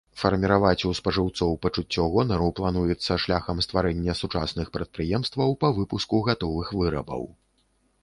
Фарміраваць у спажыўцоў пачуццё гонару плануецца шляхам стварэння сучасных прадпрыемстваў па выпуску гатовых вырабаў.